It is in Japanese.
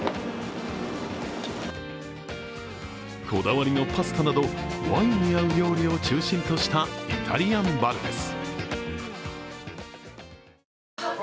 こだわりのパスタなどワインに合う料理を中心としたイタリアンバルです。